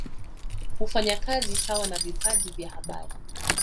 Hufanya kazi sawa na vipaji vya habari